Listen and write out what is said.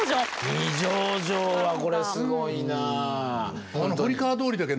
二条城はこれすごいなぁ。